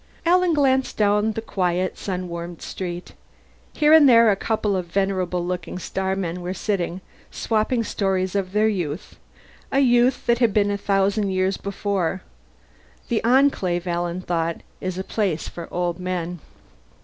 Alan glanced down the quiet sun warmed street. Here and there a couple of venerable looking starmen were sitting, swapping stories of their youth a youth that had been a thousand years before. The Enclave, Alan thought, is a place for old men.